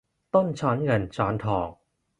ต้นช้อนเงินช้อนทอง